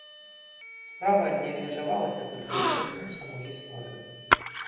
Справа не абмежавалася толькі экскурсам у гісторыю.